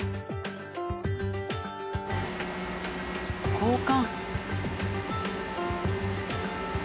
交換。